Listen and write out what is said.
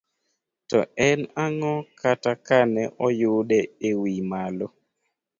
To en ang'o kata kane oyude e wiye malo?